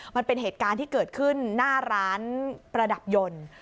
มันเป็นเหตุการณ์ที่เกิดขึ้นหน้าร้านประดับยนต์